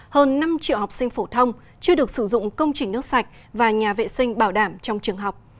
hơn năm triệu học sinh phổ thông chưa được sử dụng công trình nước sạch và nhà vệ sinh bảo đảm trong trường học